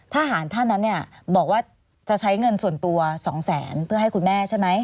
ทหารท่านนั้นเนี่ยบอกว่าจะใช้เงินส่วนตัว๒แสนเพื่อให้คุณแม่ใช่ไหม